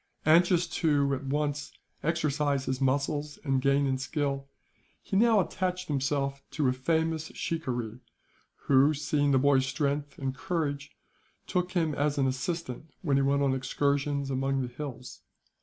Anxious to, at once, exercise his muscles and gain in skill, he now attached himself to a famous shikaree who, seeing the boy's strength and courage, took him as an assistant when he went on excursions among the hills.